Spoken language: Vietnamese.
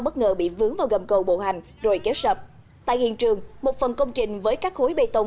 bất ngờ bị vướng vào gầm cầu bộ hành rồi kéo sập tại hiện trường một phần công trình với các khối bê tông